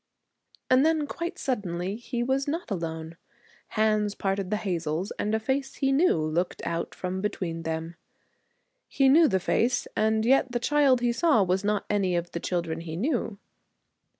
And then quite suddenly he was not alone. Hands parted the hazels and a face he knew looked out from between them. He knew the face, and yet the child he saw was not any of the children he knew.